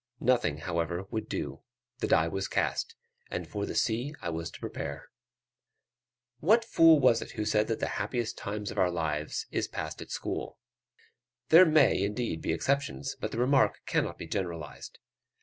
Nothing, however, would do; the die was cast, and for the sea I was to prepare. What fool was it who said that the happiest times of our lives is passed at school? There may, indeed, be exceptions, but the remark cannot be generalized.